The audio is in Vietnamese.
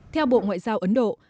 theo bộ ngoại giao ấn độ